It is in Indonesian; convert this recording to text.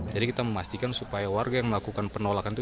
jadi kita memastikan supaya warga yang melakukan penolakan itu